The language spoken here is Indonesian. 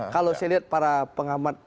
kalau saya lihat para pengamat